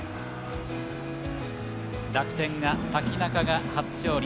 楽天、瀧中が初勝利。